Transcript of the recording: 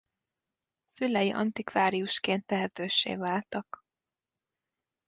Szülei antikváriusként tehetőssé váltak.